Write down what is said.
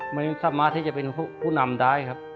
ไม่สามารถที่จะเป็นผู้นำได้ครับ